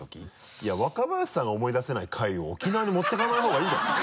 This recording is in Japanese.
いや若林さんが思い出せない回を沖縄に持っていかないほうがいいんじゃない？